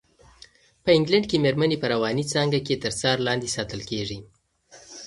په انګلنډ کې مېرمنې په رواني څانګه کې تر څار لاندې ساتل کېږي.